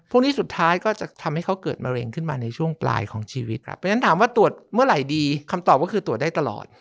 พวกนี้สุดท้ายก็จะทำให้เขาเกิดมะเร็งขึ้นมาในช่วงปลายของชีวิตครับเพราะฉะนั้นถามว่าตรวจเมื่อไหร่ดีคำตอบก็คือตรวจได้ตลอด